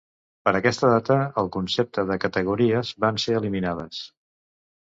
Per a aquesta data el concepte de categories van ser eliminades.